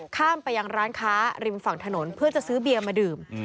ข้ามไปยังร้านค้าริมฝั่งถนนเพื่อจะซื้อเบียร์มาดื่ม